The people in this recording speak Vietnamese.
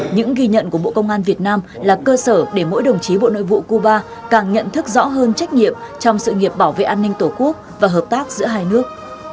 những ghi nhận của bộ công an việt nam là cơ sở để mỗi đồng chí bộ nội vụ cuba càng nhận thức rõ hơn trách nhiệm trong sự nghiệp bảo vệ an ninh tổ quốc và hợp tác giữa hai nước